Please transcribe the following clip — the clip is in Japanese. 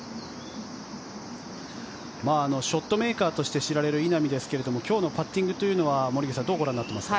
ショットメーカーとして知られる稲見ですけれども今日のパッティングというのは森口さんどうご覧になっていますか？